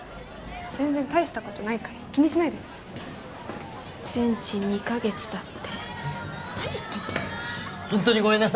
全然たいしたことないから気にしないで全治２カ月だって何言ってんの？